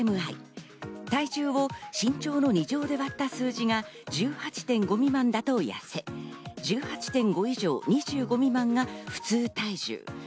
体重を身長の２乗で割った数値が１８．５未満だと痩せ、１８．５以上２５未満が普通体重。